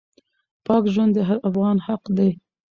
پاک ژوند د هر افغان حق دی.